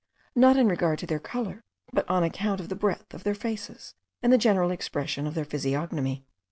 not in regard to their colour, but on account of the breadth of their faces, and the general expression of their physiognomy.